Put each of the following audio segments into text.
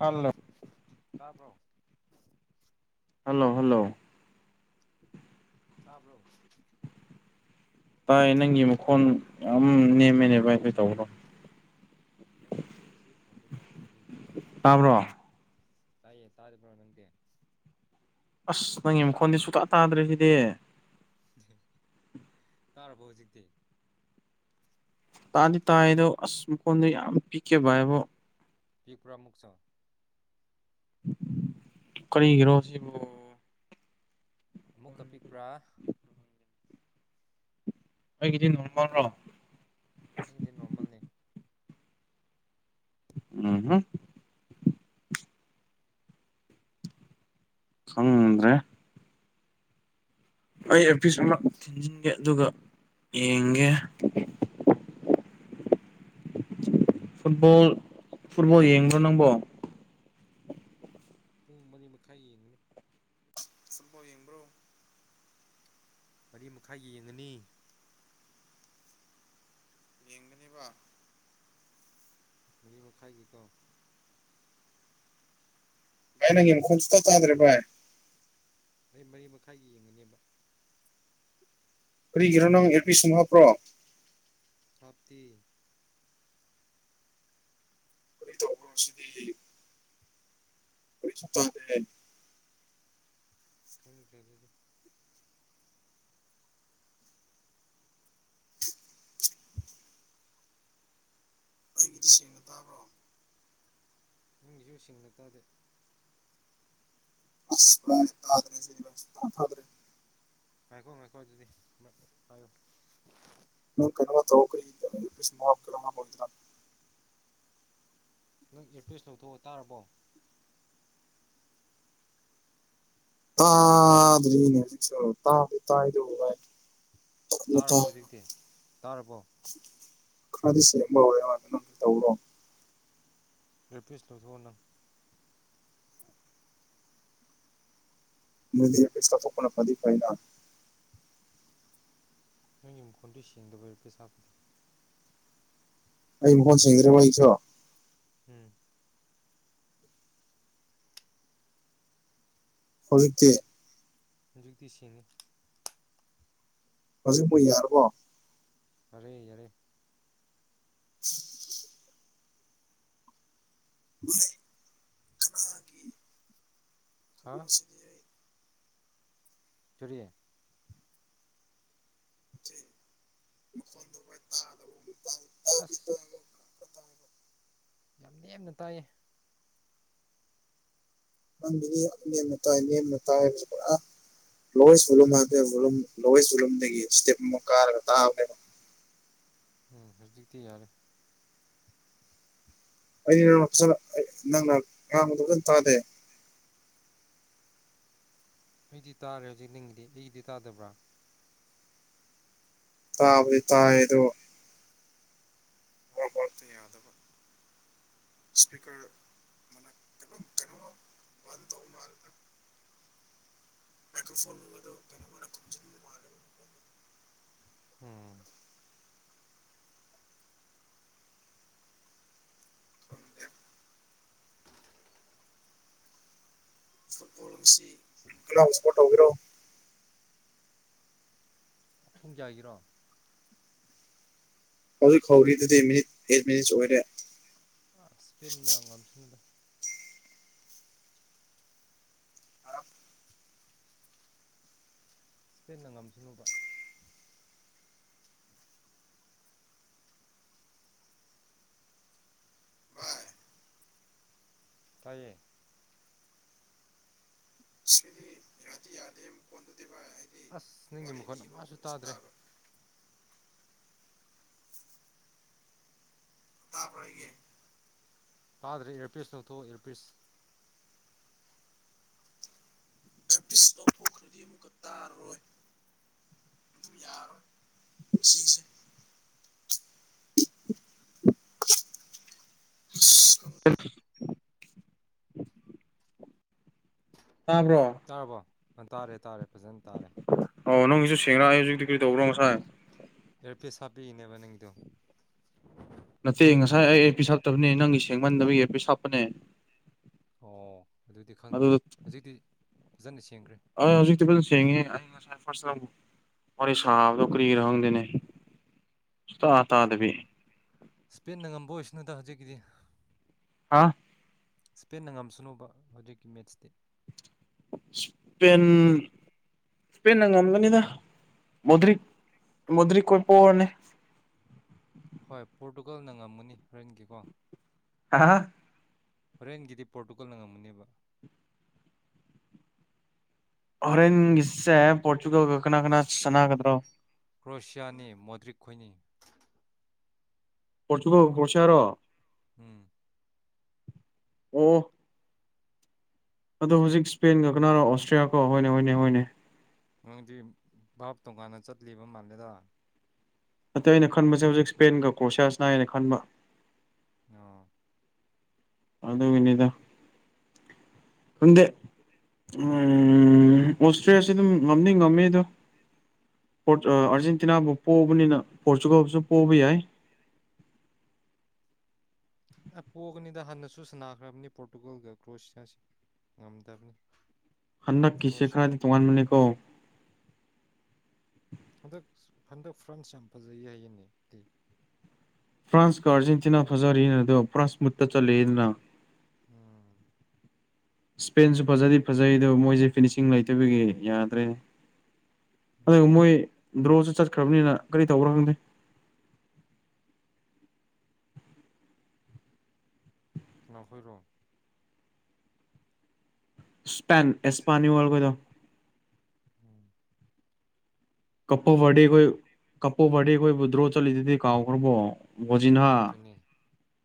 hello ꯆꯥꯕ꯭ꯔꯣ hello hello ꯇꯥꯕ꯭ꯔꯣ ꯇꯥꯏ ꯅꯪꯒꯤ ꯃꯈꯣꯟ ꯌꯥꯝ ꯅꯦꯝꯃꯦꯅꯦꯕ ꯚꯥꯏ ꯀꯩ ꯇꯧꯕ꯭ꯔꯣ ꯍ‌ꯣꯏꯅꯦ ꯁꯤ ꯐꯣꯟꯗꯣ ꯇꯧꯔꯤꯝꯅꯤꯝꯃꯦ ꯍꯥꯏꯌꯦ ꯃꯤꯅꯁꯨ ꯇꯥꯕ꯭ꯔꯣ ꯇꯌꯦ ꯇꯥꯗꯕ꯭ꯔꯥ ꯅꯪꯗ‌ꯦ ꯑꯁ ꯅꯪꯒꯤ ꯃꯈꯣꯟꯗꯤ ꯁꯨꯛꯇꯥ ꯇꯥꯗ꯭ꯔꯦ ꯁꯤꯗꯤ ꯇꯥꯔꯕꯣ ꯍꯧꯖꯤꯛꯇꯤ ꯇꯥꯗꯤ ꯇꯥꯏꯗꯣ ꯑꯁ ꯃꯈꯣꯟꯗꯣ ꯌꯥꯝ ꯄꯤꯛꯀꯦ ꯕꯥꯏꯕꯣ ꯄꯤꯛꯄ꯭ꯔꯥ ꯃꯨꯛꯁ‌ꯣ ꯀ꯭ꯔꯤꯒꯤꯔꯣ ꯁꯤꯕ‌ꯣ ꯑꯃꯨꯛꯀ ꯄꯤꯛꯄ꯭ꯔꯥ ꯑꯩꯒꯤꯗꯤ ꯅꯣꯡꯃ꯭ꯔꯣ ꯑꯩꯗꯤ ꯅꯣꯔꯃꯦꯜꯅꯤ ꯎꯝ ꯍꯝ ꯈꯪꯗ꯭ꯔꯦ ꯑꯩ ꯑꯦꯌꯔꯄꯤꯁ ꯑꯃ ꯊꯤꯟꯖꯤꯟꯒꯦ ꯑꯗꯨꯒ ꯌꯦꯡꯒꯦ ꯐꯨꯠꯕ‌ꯣꯜ ꯐꯨꯠꯕꯣꯜ ꯌꯦꯡꯕ꯭ꯔꯣ ꯅꯪꯕꯣ ꯄꯨꯡ ꯃꯔꯤ ꯃꯈꯥꯏ ꯌꯦꯡꯒꯅꯤ ꯐꯨꯠꯕꯣꯜ ꯌꯦꯡꯕ꯭ꯔꯣ ꯃꯔꯤ ꯃꯈꯥꯏ ꯌꯦꯡꯉꯅꯤ ꯌꯦꯡꯕꯅꯦꯕ ꯃꯔꯤ ꯃꯈꯥꯏꯒꯤꯀꯣ ꯥꯚꯥꯏ ꯅꯪ ꯌꯦꯡ ꯃꯈꯣꯡ ꯁꯨꯡꯆꯥ ꯆꯥꯗ꯭ꯔꯦ ꯚꯥꯏ ꯑꯩ ꯃꯔꯤ ꯃꯈꯥꯏꯒꯤ ꯌꯦꯡꯉꯅꯦꯕ ꯀꯔꯤꯒꯤꯔꯣ ꯅꯪ ꯑꯦꯔ ꯄꯤꯁ ꯁꯨꯝ ꯍꯥꯞꯄ꯭ꯔꯣ ꯍꯥꯞꯇꯦ ꯑꯛꯇꯧꯁꯤꯗꯤ [inaudible] ꯑꯣꯏꯁꯨꯄꯗ [unintelligible] ꯈꯪꯗ꯭ꯔꯦ ꯑꯗꯨꯗꯤ ꯑꯩꯒꯤꯗꯤ ꯁꯦꯡꯅ ꯇꯥꯕ꯭ꯔꯣ ꯅꯪꯒꯤꯁꯨ ꯁꯤꯡꯅ ꯇꯥꯗꯦ ꯑꯁ [unintelligible] ꯑ ꯐꯥꯕ꯭ꯅꯦ ꯉꯥꯏꯈꯣ ꯉꯥꯏꯈꯣ ꯑꯗꯨꯗꯤ ꯑꯃꯔꯛ ꯄꯥꯏꯌꯨ ꯅꯪ ꯀꯩꯅꯣ ꯇꯧꯀꯩ [unintelligible] ꯅꯪ ꯑꯦꯔꯄꯦꯁ ꯂꯧꯊꯣꯛꯑꯣ ꯇꯥꯔꯕꯣ ꯇꯥꯗꯔꯤꯅꯦ ꯍꯧꯖꯤꯛꯁꯨ ꯇꯥꯕꯗꯤ ꯇꯥꯏ ꯑꯗꯨꯕꯨ ꯇꯥꯔꯕꯣ ꯍꯧꯖꯤꯛꯇꯤ ꯇꯥꯔꯕꯣ ꯈꯔꯗꯤ ꯁꯦꯡꯕ ꯍꯧꯔꯦꯗ ꯅ ꯇꯧꯔꯣ ꯑꯦꯔꯄꯤꯁ ꯂꯧꯊꯣꯛꯑꯣ ꯅꯪ ꯃꯗꯤ ꯄꯩꯁ ꯊꯣꯛꯄꯅ ꯐꯗꯤ ꯐꯩꯅ ꯅꯪꯒꯤ ꯃꯈꯣꯟꯗꯣ ꯁꯦꯡꯗꯕꯩꯔ ꯑꯦꯔꯄꯤꯁ ꯍꯥꯞꯄꯗꯤ ꯑꯩ ꯃꯈꯣꯟ ꯁꯦꯡꯗ꯭ꯔꯕ ꯑꯩꯒꯤꯁꯨ ꯎꯝ ꯍꯧꯖꯤꯛꯇꯦ ꯍꯧꯖꯤꯛꯇꯤ ꯁꯦꯡꯉꯦ ꯍꯧꯖꯤꯛꯄꯨ ꯌꯥꯔꯕꯣ ꯑꯔꯦ ꯌꯥꯔꯦ [inaudible] ꯎꯂꯩ ꯀꯅꯥꯒꯤ ꯍꯥ ꯆꯔꯤ ꯃꯈꯣꯟ ꯊꯣꯛꯄꯩ ꯇꯥꯗꯣ ꯑꯁ ꯌꯥꯝ ꯅꯦꯝꯅ ꯇꯥꯏꯌꯦ ꯅꯪꯗꯤ ꯅꯦꯝꯅ ꯇꯥꯏ ꯅꯦꯝꯅ ꯇꯥꯏ ꯍꯥꯏꯕꯁ ꯄꯨꯔꯥ ꯂꯣꯏꯁꯨꯝ ꯍꯥꯏ ꯂꯣꯏ ꯆꯨꯔꯂꯝꯗꯒꯤ ꯏꯁꯇꯦꯞ ꯑꯃ ꯀꯥꯔꯒ ꯇꯥꯕꯅꯦꯕ ꯎꯝ ꯍꯧꯖꯤꯛꯇꯤ ꯌꯥꯔꯦ ꯑꯩꯗꯤ ꯅꯪꯅ ꯐꯖꯅ ꯅꯪꯅ ꯉꯥꯡꯕꯗꯣ ꯐꯖꯅ ꯇꯥꯗꯦ ꯑꯩꯗꯤ ꯇꯥꯔꯦ ꯍꯧꯖꯤꯛ ꯅꯤꯡꯒꯤꯗꯤ ꯑꯩꯒꯤꯗꯤ ꯇꯥꯗꯕ꯭ꯔꯥ ꯇꯥꯕꯨꯗꯤ ꯇꯥꯏ ꯑꯗꯣ ꯍ ꯌꯥ ꯑꯗꯨꯣ [inaudible] ꯏꯁꯄꯤꯀꯔ ꯑꯃꯅ ꯀꯝ ꯀꯩꯅꯣ ꯕꯟ ꯇꯧꯅꯣ ꯍꯥꯏꯗ [unintelligible] ꯃꯣ ꯐꯣꯟ ꯑꯣꯏ ꯀꯩꯅ [unintelligible] ꯎꯝ ꯐꯨꯠꯕꯣꯜꯁꯤ ꯁ [inaudible] ꯏꯅꯥꯎꯅ ꯁꯄꯣꯔꯠ ꯇꯧꯕꯤꯔꯣ ꯄꯨꯡ ꯀꯌꯥꯒꯤꯔꯣ ꯍꯧꯖꯤꯛ ꯐꯥꯎꯒꯤꯗꯨꯗꯤ ꯃꯤꯅꯤꯠ ꯑꯦꯠ ꯃꯤꯅꯤꯠꯁ ꯑꯣꯏꯔꯦ ꯑ ꯁ꯭ꯄꯦꯟꯅ ꯉꯝꯁꯅꯨꯗ ꯂꯧꯁꯤꯟꯕ ꯉꯝꯗꯕ ꯁ꯭ꯄꯦꯟꯅ ꯉꯝꯁꯅꯨꯕ ꯇꯥꯏꯌꯦ ꯌꯥꯗꯤ ꯌꯥꯗꯦꯕ ꯀꯣꯟꯗꯨꯗꯤ ꯚꯥꯏ ꯍꯥꯏꯗꯤ ꯑꯁ ꯅꯪꯒꯤ ꯃꯈꯣꯟ ꯑꯃꯥꯁꯨ ꯇꯥꯗ꯭ꯔꯦ ꯇꯥꯕ꯭ꯔꯥ ꯑꯩꯒꯤ ꯇꯥꯗ꯭ꯔꯦ ꯏꯌꯔꯄꯤꯁ ꯂꯧꯊꯣꯛꯑꯣ ꯏꯌꯔꯄꯤꯁ ꯕꯤꯁ ꯂꯧꯊꯣꯛꯈ꯭ꯔꯗꯤ ꯑꯃꯨꯛꯀ ꯇꯥꯔꯔꯣꯏ ꯇꯨ ꯌꯥꯔꯣꯏ ꯁꯤꯁꯦ ꯇꯥꯕ꯭ꯔꯣ ꯇꯥꯔꯕꯣ ꯑ ꯇꯥꯔꯦ ꯇꯥꯔꯦ ꯐꯖꯟ ꯇꯥꯔꯦ ꯑꯣ ꯅꯪꯒꯤꯁꯨ ꯁꯦꯡꯔꯥ ꯑꯩ ꯍꯨꯖꯤꯛꯇꯤ ꯀꯔꯤ ꯇꯧꯕ꯭ꯔꯣ ꯉꯁꯥꯏ ꯑꯦꯌꯔꯄꯤꯁ ꯍꯥꯞꯄꯩꯅꯦꯕ ꯅꯪꯒꯤꯗꯣ ꯅꯠꯇꯦ ꯉꯁꯥꯏ ꯑꯩ ꯑꯦꯌꯔꯄꯤꯁ ꯍꯥꯞꯇꯕꯅꯦ ꯅꯪꯒꯤ ꯁꯦꯡꯃꯟꯗꯕꯒꯤ ꯑꯦꯌꯔꯄꯤꯁ ꯍꯥꯞꯄꯅꯦ ꯑꯣ ꯑꯗꯨꯗꯤ ꯈꯪꯗ꯭ꯔꯦ ꯑꯗꯨꯗ ꯍꯨꯖꯤꯛꯇꯤ ꯐꯖꯅ ꯁꯦꯡ ꯑꯩ ꯍꯧꯖꯤꯛꯇꯤ ꯐꯖꯅ ꯁꯦꯡꯉꯦ ꯑꯩ ꯉꯁꯥꯏ ꯐꯥꯁ ꯔꯥꯎꯟ ꯋꯥꯔꯤ ꯁꯥꯥꯕꯗꯣ ꯀꯔꯤꯒꯤꯔꯥ ꯈꯪꯗꯦꯅꯦ ꯁꯨꯛꯇꯥ ꯇꯥꯗꯕꯤ ꯁ꯭ꯄꯦꯟꯅ ꯉꯝꯕ ꯑꯣꯏꯁꯅꯨꯗ ꯍꯧꯖꯤꯛꯀꯤꯗꯤ ꯍꯥꯥ ꯏꯁꯄꯦꯟꯅ ꯉꯝꯁꯅꯨꯕ ꯍꯧꯖꯤꯛꯀꯤ ꯃꯦꯠꯁꯇꯤ ꯏꯁꯄꯦꯟ ꯄꯦꯟꯅ ꯉꯝꯒꯅꯤꯗ ꯃꯣꯗ꯭ꯔꯤꯛ ꯃꯣꯗ꯭ꯔꯤꯛ ꯈꯣꯏ ꯄꯣꯔꯅꯤ ꯍꯣꯏ ꯄꯣꯔꯇꯨꯒꯜꯅ ꯉꯝꯃꯅꯤ ꯍꯣꯔꯦꯟꯒꯤꯀꯣ ꯍꯥ ꯍꯥ ꯍꯥ ꯍꯣꯔꯦꯟꯒꯤꯗꯤ ꯄꯣꯔꯇꯨꯒꯜꯅ ꯉꯝꯒꯅꯦꯕ ꯍꯣꯔꯦꯟꯒꯤꯁꯦ ꯄꯣꯔꯇꯨꯒꯜꯒ ꯀꯅꯥ ꯀꯅꯥ ꯁꯅꯥꯒꯗ꯭ꯔꯣ ꯀ꯭ꯔꯣꯁꯤꯌꯥꯅꯤ ꯃꯣꯗ꯭ꯔꯤꯛ ꯈꯣꯏꯅꯤ ꯄꯣꯔꯇꯨꯒꯜ ꯀ꯭ꯔꯣꯁꯤꯌꯥꯔꯣ ꯎꯝ ꯑꯣ ꯑꯣ ꯑꯗꯣ ꯍꯨꯖꯤꯛ ꯁ꯭ꯄꯦꯟꯒ ꯀꯅꯥꯔꯣ ꯑꯣꯁꯇ꯭ꯔꯤꯌꯥꯒ ꯍꯣꯏꯅꯦ ꯍꯣꯏꯅꯦ ꯍꯣꯏꯅꯦ ꯅꯪꯗꯤ ꯚꯥꯞ ꯇꯣꯉꯥꯟꯅ ꯆꯠꯂꯤꯕ ꯃꯥꯜꯂꯦꯗ ꯑꯇꯩ ꯑꯩꯅ ꯈꯟꯕꯁꯦ ꯍꯨꯖꯤꯛ ꯁ꯭ꯄꯦꯟꯒ ꯀ꯭ꯔꯣꯁꯤꯌꯥ ꯁꯅꯩ ꯍꯥꯏꯅ ꯈꯟꯕ ꯅꯣ ꯑꯗꯨꯒꯤꯅꯤꯗ ꯈꯪꯗꯦ ꯎꯝ ꯑꯣꯁꯇ꯭ꯔꯤꯌꯥꯁꯦ ꯑꯗꯨꯝ ꯉꯝꯅꯤ ꯉꯝꯃꯦ ꯑꯗꯣ ꯄꯣꯔ ꯑꯥ ꯑꯥꯔꯖꯦꯟꯇꯤꯅꯥꯕꯨ ꯄꯣꯕꯅꯤꯅ ꯄꯣꯔꯇꯨꯒꯜꯕꯨꯁꯨ ꯄꯣꯕ ꯌꯥꯏ ꯑꯦ ꯄꯣꯒꯅꯤꯗ ꯍꯥꯟꯅꯁꯨ ꯁꯅꯥꯈ꯭ꯔꯕꯅꯤ ꯄꯣꯔꯇꯨꯒꯜꯒ ꯀ꯭ꯔꯣꯁꯤꯌꯥꯁꯤ ꯉꯝꯗꯕꯅꯤ ꯍꯟꯟꯅꯛꯀꯤꯁꯦ ꯀ꯭ꯔꯣꯁꯤꯌꯥ ꯈꯔꯗꯤ ꯇꯣꯉꯥꯟꯕꯅꯤꯀꯣ ꯍꯟꯗꯛꯁ ꯍꯟꯗꯛ ꯐ꯭ꯔꯟꯁ ꯌꯥꯝ ꯐꯖꯩ ꯍꯥꯏꯌꯦꯅꯦ ꯀꯩ ꯐ꯭ꯔꯥꯟꯁꯀ ꯑꯥꯔꯖꯦꯟꯇꯤꯅꯥ ꯐꯖꯔꯤꯅ ꯑꯗꯣ ꯐ꯭ꯔꯥꯟꯁ ꯃꯨꯠꯇ ꯆꯠꯂꯛꯑꯦꯗꯅ ꯎꯝ ꯏꯁꯄꯦꯟꯁꯨ ꯐꯖꯗꯤ ꯐꯖꯩ ꯑꯗꯣ ꯃꯣꯏꯖꯦ ꯐꯤꯅꯤꯁꯤꯡ ꯂꯩꯇꯕꯒꯤ ꯌꯥꯗ꯭ꯔꯦ ꯑꯗꯨꯒ ꯎꯝ ꯃꯣꯏ ꯗ꯭ꯔꯣꯁꯨ ꯆꯠꯈ꯭ꯔꯕꯅꯤꯅ ꯀꯔꯤ ꯇꯧꯕ꯭ꯔꯥ ꯈꯪꯗꯦ ꯀꯅꯥꯈꯣꯏꯔꯣ ꯏꯁꯄꯦꯟ ꯑꯦꯁꯄꯦꯅꯨꯋꯜ ꯒꯗꯣ ꯎꯝ ꯀꯞꯄꯨ ꯗꯤ ꯀꯣꯏ ꯀꯞꯄꯣꯕꯗꯤ ꯀꯣꯏ ꯗ꯭ꯔꯣ ꯆꯂꯤ ꯇꯤ ꯀꯥꯎ ꯈ꯭ꯔꯔꯕꯣ ꯃꯣꯖꯤꯟꯍꯥ ꯑꯗꯨꯅꯤ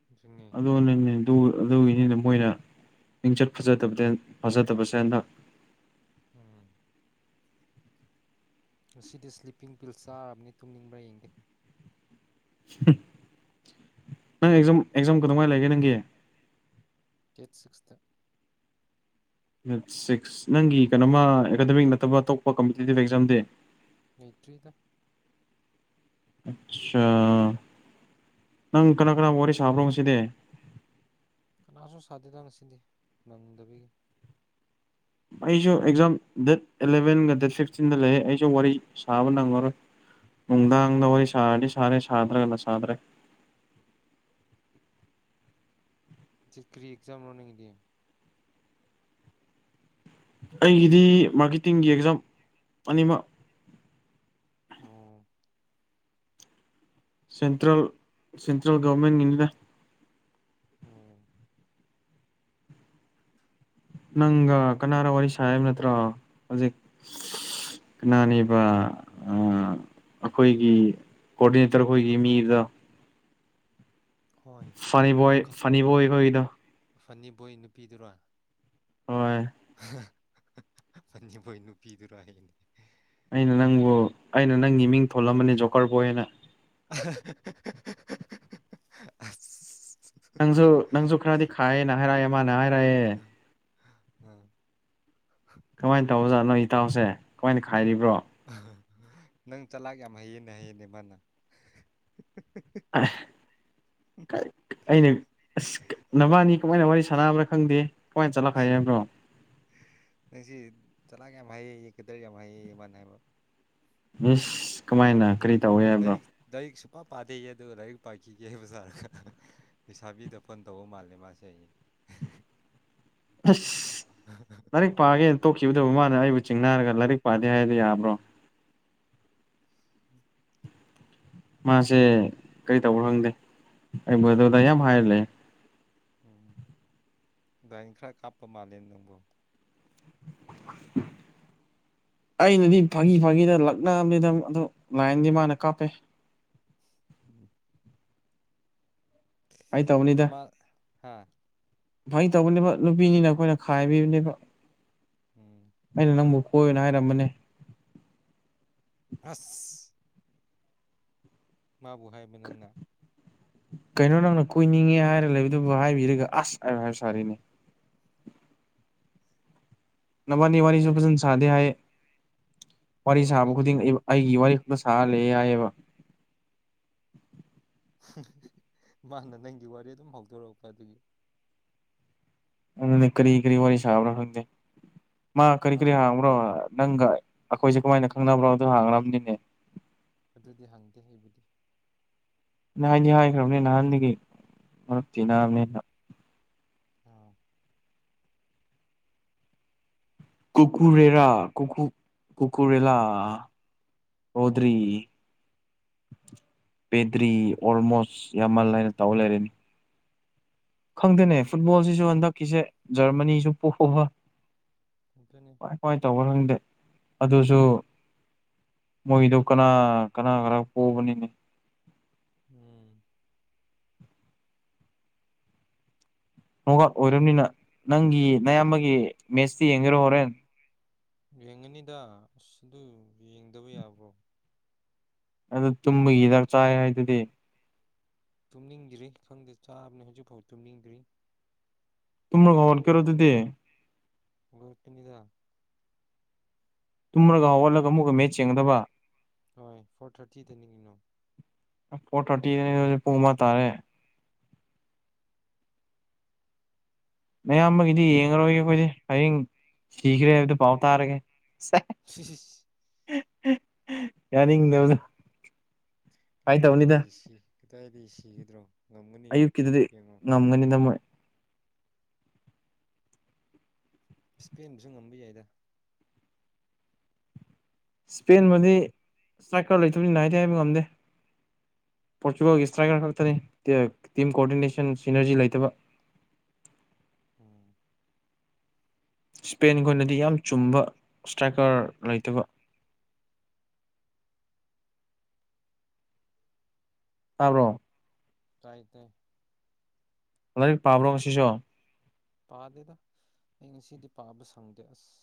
ꯑꯗꯨꯅꯤ ꯑꯗꯨ ꯑꯗꯨꯒꯤꯅꯤꯅ ꯃꯣꯏꯅ ꯃꯤꯡꯆꯠ ꯐꯖꯗꯕꯗ ꯐꯖꯗꯕꯁꯦ ꯍꯟꯗꯛ ꯎꯝ ꯉꯁꯤꯗꯤ ꯁ꯭ꯂꯤꯞꯄꯤꯡ ꯄꯤꯜ ꯆꯥꯔꯕꯅꯤ ꯇꯨꯝꯅꯤꯡꯕ꯭ꯔꯥ ꯌꯦꯡꯒꯦ ꯅꯪ ꯑꯦꯛꯖꯥꯝ ꯑꯦꯛꯖꯥꯝ ꯀꯗꯧꯉꯥꯏ ꯂꯩꯒꯦ ꯅꯪꯒꯤ ꯗꯦꯠ ꯁꯤꯛꯁ ꯇ ꯗꯦꯠ ꯁꯤꯛꯁ ꯅꯪꯒꯤ ꯀꯩꯅꯣꯃ ꯑꯦꯀꯥꯗꯃꯤꯛ ꯅꯠꯇꯕ ꯑꯇꯣꯞꯄ ꯀꯝꯄꯤꯇꯤꯇꯤꯞ ꯑꯦꯛꯖꯥꯝꯗꯤ ꯅꯇ꯭ꯔꯤꯗ ꯑꯠꯆꯥꯥ ꯅꯪ ꯀꯅꯥ ꯀꯅꯥ ꯋꯥꯔꯤ ꯁꯥꯕ꯭ꯔꯣ ꯁꯤꯗꯤ ꯀꯅꯥꯁꯨ ꯁꯥꯗꯦꯗ ꯉꯁꯤꯗꯤ ꯅꯪꯗꯕꯤꯒꯤ ꯑꯩꯁꯨ ꯑꯦꯛꯖꯥꯝ ꯗꯦꯠ ꯑꯦꯂꯚꯦꯟꯒ ꯗꯦꯠ ꯐꯤꯁꯇꯤꯟꯗ ꯂꯩ ꯑꯩꯁꯨ ꯋꯥꯔꯤ ꯁꯥꯕ ꯅꯪꯉꯔꯣꯏ ꯅꯨꯡꯗꯥꯡꯗ ꯋꯥꯔꯤ ꯁꯥꯔꯗꯤ ꯁꯥꯔꯦ ꯁꯥꯗ꯭ꯔꯒꯅ ꯁꯥꯗ꯭ꯔꯦ ꯁꯤ ꯀ꯭ꯔꯤ ꯑꯦꯛꯖꯥꯝ ꯂꯅꯦꯗꯤ ꯑꯩꯒꯤꯗꯤ ꯃꯥꯔꯀꯦꯇꯤꯡꯒꯤ ꯑꯦꯛꯖꯥꯝ ꯑꯅꯤꯃꯛ ꯑꯣꯝ ꯁꯦꯟꯇ꯭ꯔꯦꯜ ꯁꯦꯟꯇ꯭ꯔꯦꯜ ꯒꯣꯔꯃꯦꯟꯒꯤꯅꯤꯗ ꯑꫭ ꯅꯪꯒ ꯀꯅꯥꯅꫭ ꯋꯥꯔꯤ ꯁꯥꯏꯕ ꯅꯠꯇ꯭ꯔꯣ ꯍꯧꯖꯤꯛ ꯀꯅꯥꯅꯦꯕ ꯑ ꯑꯩꯈꯣꯏꯒꯤ ꯀꫭꯔꯗꯤꯅꯦꯇꯔ ꯈꫭꯏꯈꯤ ꯃꯤꯕꯗꫭ ꯍꯣꯏ ꯐꯅꯤ ꯕꯣꯏ ꯂꯨꯈ ꯐꯅꯤ ꯕꯣꯏ ꯈꯣꯏꯒꯤꯗꯣ ꯐꯅꯤꯕꯣꯏ ꯅꯨꯄꯤꯗꯨꯔꯥ ꯍꯣꯏ ꯐꯅꯤ ꯃꯣꯏ ꯅꯨꯄꯤꯗꯨꯔ ꯑꯩꯅꯦ ꯑꯩꯅ ꯅꯪꯕꯨ ꯑꯩꯅ ꯅꯪꯒꯤ ꯃꯤꯡ ꯊꯣꯜꯂꯝꯕꯅꯤ ꯖꯣꯀꯔꯕꯣꯏ ꯍꯥꯏꯅ ꯑ ꯅꯪꯁꯨ ꯅꯪꯁꯨ ꯈꯔꯗꯤ ꯈꯥꯏꯌꯦꯦ ꯅ ꯍꯥꯏꯔꯛꯑꯦ ꯃꯥꯅ ꯍꯥꯏꯔꯛꯑꯦ ꯎꯝ ꯀꯃꯥꯏꯅ ꯇꯧꯕꯖꯥꯠ ꯅꯣ ꯏꯇꯥꯎꯁꯦ ꯀꯃꯥꯏꯅ ꯈꯥꯏꯔꯤꯕ꯭ꯔꯣ ꯑ ꯅꯪ ꯆꯠꯂꯥꯛꯒ ꯌꯥꯝ ꯍꯩꯌꯦꯅꯦ ꯍꯥꯌꯦꯅꯦ ꯃꯥꯅ ꯑ ꯑꯩꯅ ꯑꯁ ꯅꯕꯥꯅꯤ ꯀꯃꯥꯏꯅ ꯋꯥꯔꯤ ꯁꯥꯟꯅꯕ꯭ꯔꯥ ꯈꯪꯗꯦ ꯀꯃꯥꯏꯅ ꯆꯠꯂꯛ ꯍꯩ ꯍꯥꯏꯕ꯭ꯔꯣ ꯅꯪꯁꯤ ꯆꯂꯥꯛ ꯌꯥꯝ ꯍꯩꯌꯦ ꯌꯦ ꯀꯗꯔ ꯌꯥꯝ ꯍꯩꯌꯦ ꯌꯦ ꯃꯥꯅ ꯍꯥꯏꯕ ꯏꯁ ꯀꯃꯥꯏꯅ ꯀꯔꯤ ꯂꯥꯏꯔꯤꯛ ꯇꯧꯋꯦ ꯍꯥꯏꯕ꯭ꯔꯣ ꯂꯥꯏꯔꯤꯛ ꯂꯥꯏꯔꯤꯛ ꯁꯨꯛ ꯄꯥꯗꯩꯌꯦ ꯑꯗꯨꯒ ꯂꯥꯏꯔꯤꯛ ꯄꯥꯈꯤꯒꯦ ꯍꯥꯏꯕ ꯖꯥꯔꯥ ꯂꯩꯁꯥꯕꯤꯗ ꯐꯣꯟ ꯇꯧꯕ ꯃꯥꯜꯂꯦ ꯃꯥꯁꯦ ꯍꯥꯌꯦ ꯑꯁ ꯂꯥꯏꯔꯤꯛ ꯄꯥꯒꯦꯅ ꯇꯣꯛꯈꯤꯕꯗꯨꯕꯨ ꯃꯥꯅ ꯑꯩꯕꯨ ꯆꯤꯡꯅꯥꯔꯒ ꯂꯥꯏꯔꯤꯛ ꯄꯥꯗꯦ ꯍꯥꯏꯕ ꯌꯥꯕ꯭ꯔꯣ ꯎꯝ ꯃꯥꯁꯦ ꯀꯔꯤ ꯇꯧꯕ ꯈꯪꯗꯦ ꯑꯩꯕꯨ ꯑꯗꯨꯗ ꯌꯥꯝ ꯍꯥꯏꯔꯜꯂꯦ ꯎꯝ ꯑꯗꯨꯏ ꯈꯔ ꯀꯥꯞꯄ ꯃꯥꯜꯂꯦ ꯅꯪꯕꯨꯣ ꯑꯩꯅꯗꯤ ꯐꯥꯒꯤ ꯐꯥꯒꯤꯗ ꯂꯛꯅꯕꯅꯤꯗ ꯑꯗꯨ ꯂꯥꯏꯟꯗꯤ ꯃꯥꯅ ꯀꯥꯞꯄꯦ ꯎꯝ ꯐꯩ ꯇꯧꯕꯅꯤꯗ ꯑꯃ ꯍꯥ ꯐꯩ ꯇꯧꯕꯅꯦꯕ ꯅꯨꯄꯤꯅꯤꯅ ꯑꯩꯈꯣꯏꯅ ꯈꯥꯏꯕꯤꯕꯅꯦꯕ ꯎꯝ ꯑꯩꯅ ꯅꯪꯕꯨ ꯀꯣꯏꯅ ꯍꯥꯏꯔꯝꯕꯅꯦ ꯑꯁ ꯃꯥꯕꯨꯣ ꯍꯥꯏꯕ ꯅꯪꯅ ꯀꯩꯅꯣ ꯅꯪꯅ ꯀꯣꯏꯏꯅꯤꯡꯉꯦ ꯍꯥꯏꯔ ꯂꯩꯕꯗꯨꯕꯨ ꯍꯥꯏꯕꯤꯔꯒ ꯑꯁ ꯍꯥꯏ ꯍꯥꯏꯕ ꯁꯥꯔꯤꯅꯦ ꯅꯕꯥꯅꯤ ꯋꯥꯅꯤꯁꯨ ꯐꯖꯅ ꯁꯥꯗꯦ ꯍꯥꯏ ꯋꯥꯔꯤ ꯍꯣꯏ ꯁꯥꯕ ꯑꯩꯗꯣ ꯈꯨꯗꯤꯡ ꯑꯩꯒꯤ ꯋꯥꯔꯤ ꯈꯅ ꯁꯥꯍꯜꯂꯦ ꯌꯥꯏꯑꯕ ꯃꯥꯅ ꯅꯪꯒꯤ ꯋꯥꯔꯤ ꯑꯗꯨꯝ ꯍꯧꯗꯣꯔꯛꯄ ꯑꯗꯨꯒꯤ ꯑꯗꯨ ꯀꯔꯤ ꯀꯔꯤ ꯋꯥꯔꯤ ꯁꯥꯕ꯭ꯔꯣ ꯈꯪꯗꯦ ꯃꯥ ꯀꯔꯤ ꯀꯔꯤ ꯃꯥꯅ ꯍꯥꯡꯕ꯭ꯔꯣ ꯅꯪꯒ ꯑꯩꯈꯣꯏꯁꯦ ꯀꯃꯥꯏꯅ ꯈꯪꯅꯕ꯭ꯔꯣ ꯑꯗꯨ ꯍꯥꯡꯈ꯭ꯔꯕꯅꯤꯅꯦ ꯑꯗꯨꯗꯤ ꯍꯪꯗꯦ ꯑꯩꯕꯨꯗꯤ ꯅ ꯍꯥꯏꯅꯤ ꯍꯥꯏꯈ꯭ꯔꯕꯅꯦ ꯅꯍꯥꯟꯗꯒꯤ ꯃꯔꯛꯇꯤ ꯎꯝ ꯅꯕꯅꯦꯅ ꯑꯥ ꯀꯨꯀꯨꯔꯦꯔꯥ ꯀꯨꯀꯨ ꯀꯨꯀꯨꯔꯦꯂꯥ ꯍꯗ꯭ꯔꯤ [unintelligible] ꯄꯦꯗ꯭ꯔꯤ ꯑꯣꯜꯃꯣꯁ ꯌꯥꯝꯃꯜ ꯍꯥꯏꯏꯅ ꯇꯧꯔ ꯂꯩꯔꯦꯅꯤ ꯈꯪꯗꯦꯅꯦ ꯐꯨꯠꯕꯣꯜꯁꯤꯁꯨ ꯍꯟꯗꯛꯀꯤꯁꯦ ꯖꯔꯃꯅꯤꯁꯨ ꯄꯣꯛꯕ ꯏꯈꯅꯤ ꯀꯃꯥꯏ ꯀꯃꯥꯏ ꯇꯧꯕ ꯈꯪꯗꯦ ꯑꯗꯨꯁꯨ ꯃꯣꯏꯗꯨ ꯀꯅꯥ ꯀꯅꯥ ꯈꯔ ꯄꯣꯕꯅꯤꯅꯦ ꯎꯝ ꯅꯣ ꯑꯠ ꯑꯣꯏꯔꯕꯅꯤꯅ ꯅꯪꯒꯤ ꯅꯌꯥꯝꯕꯒꯤ ꯃꯦꯁꯇꯤ ꯌꯦꯡꯒꯦꯔꯣ ꯍꯣꯔꯦꯟ ꯌꯦꯡꯉꯅꯤꯗ ꯑꯁ ꯑꯗꯨ ꯌꯦꯡꯗꯕ ꯌꯥꯕ꯭ꯔꯣ ꯑꯗꯨ ꯇꯨꯝꯕꯒꯤꯗꯥꯛ ꯆꯥꯏ ꯍꯥꯏꯗꯨꯗꯤ ꯇꯨꯝꯅꯤꯡꯗ꯭ꯔꯤ ꯈꯪꯗꯦ ꯆꯥꯕꯅꯤ ꯍꯧꯖꯤꯛꯐꯥꯎ ꯇꯨꯝꯅꯤꯡꯗ꯭ꯔꯤ ꯇꯨꯡꯃ ꯈꯜ ꯀꯦꯔꯣ ꯑꯗꯨꯗꯤ ꯇꯤꯟꯗ ꯇꯨꯝꯂꯒ ꯍꯧꯒꯠꯂꯒ ꯑꯃꯨꯛꯀ ꯃꯤꯠ ꯁꯤꯡꯒꯗꯕ ꯍꯣꯏ ꯐꯣꯔ ꯊꯥꯔꯇꯤꯗ ꯅꯤꯡꯉꯤꯅꯣ ꯐꯣꯔ ꯊꯥꯔꯇꯤ [unintelligible] ꯄꯨꯡ ꯑꯃꯥ ꯇꯥꯔꯦ ꯑꯌꯥꯝꯕꯒꯤꯗꯤ ꯌꯦꯡꯉꯔꯣꯏꯒꯦ ꯑꯩꯈꯣꯏꯗꯤ ꯍꯌꯦꯡ ꯁꯤꯈ꯭ꯔꯦ ꯍꯥꯏꯕꯗꯣ ꯄꯥꯎ ꯇꯥꯔꯒꯦ [unintelligible] [unintelligible] ꯌꯥꯅꯤꯡꯗꯕꯗꯣ ꯀꯗꯥꯏꯗꯒꯤ ꯁꯤ ꯀꯗꯥꯏꯗꯒꯤ ꯁꯤꯒꯗ꯭ꯔꯣ ꯉꯝꯒꯅꯤ ꯑꯌꯨꯛꯀꯤꯗꯨꯗꯤ ꯌꯦꯡꯉꯣ [unintelligible] ꯏꯁ꯭ꯄꯦꯟꯕꯁꯨ ꯉꯝꯕ ꯌꯥꯏꯗ ꯁ꯭ꯄꯦꯟꯕꯨꯗꯤ ꯁ꯭ꯇ꯭ꯔꯥꯏꯀꯔ ꯂꯩꯇꯕꯅꯤꯅ ꯍꯥꯏꯗꯤ ꯍꯥꯏꯕ ꯉꯝꯗꯦ ꯄꯣꯔꯆꯨꯒꯥꯜꯒꯤ ꯐ꯭ꯔꯥꯟꯁꯄꯨꯗꯤ ꯏꯁꯇ꯭ꯔꯥꯏꯀꯔ ꯈꯛꯇꯅꯤ ꯇꯤꯝ ꯀꯣꯑꯣꯗꯤꯅꯦꯁꯟ ꯏꯅꯔꯖꯤ ꯂꯩꯇꯕ ꯎꯝ ꯁ꯭ꯄꯦꯟꯒꯤ ꯑꯣꯏꯅꯗꯤ ꯌꯥꯝ ꯆꯨꯝꯕ ꯏꯁꯇ꯭ꯔꯥꯏꯀꯔ ꯂꯩꯇꯕ ꯇꯥꯕ꯭ꯔꯣ ꯇꯥꯏꯗ ꯂꯥꯏꯔꯤꯛ ꯄꯥꯕ꯭ꯔꯣ ꯉꯁꯤꯁꯨ ꯄꯥꯗꯦꯗ ꯑꯩ ꯉꯁꯤꯗꯤ ꯄꯥꯕ ꯁꯪꯗꯦ ꯑꯁ